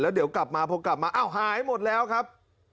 เดี๋ยวกลับมาพอกลับมาอ้าวหายหมดแล้วครับ